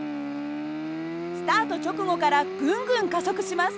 スタート直後からぐんぐん加速します。